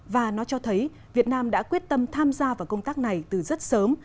và nó cho thấy việt nam đã quyết tâm tham gia vào công tác này từ rất sớm